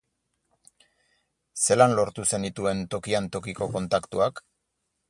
Zelan lortu zenituen tokian tokiko kontaktuak?